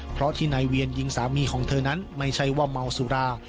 เพราะที่นายเวียนยิงสามีของเธอนั้นไม่ใช่ว่าเมาสุรา